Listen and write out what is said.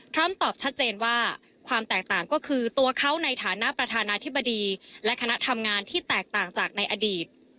ตอบชัดเจนว่าความแตกต่างก็คือตัวเขาในฐานะประธานาธิบดีและคณะทำงานที่แตกต่างจากในอดีต